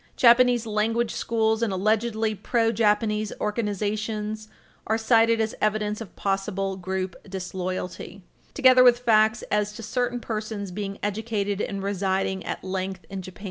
[Footnote 3/6] Japanese language schools and allegedly pro Japanese organizations are cited as evidence of possible group disloyalty, [Footnote 3/7] together with facts as to Page 323 U. S. 238 certain persons being educated and residing at length in Japan.